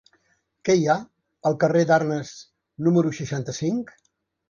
Què hi ha al carrer d'Arnes número seixanta-cinc?